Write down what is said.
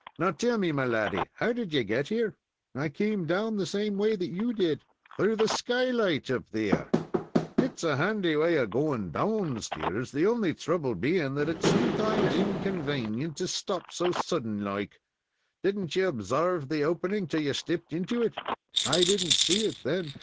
Now tell me, my laddy, how did you get here?" "I come down the same way that you did." "Through the skylight up there? It's a handy way of going down stairs, the only trouble being that it's sometimes inconvanient to stop so suddint like. Did n't you obsarve the opening till you stepped into it?" "I didn't see it then.